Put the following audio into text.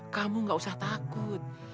kamu nggak usah takut